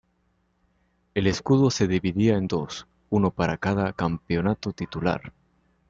El escudo se dividía en dos, uno para cada campeonato titular.